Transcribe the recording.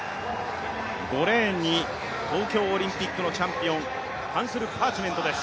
５レーンに東京オリンピックのチャンピオン、ハンスル・パーチメントです。